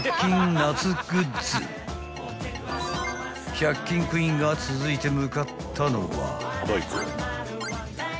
［１００均クイーンが続いて向かったのは］